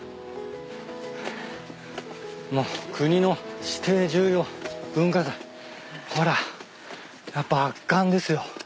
もう国の指定重要文化財ほらやっぱ圧巻ですよ。